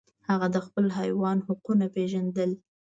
هغه د خپل حیوان حقونه پیژندل.